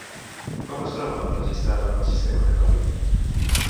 Com es troba enregistrada en el sistema catòlic?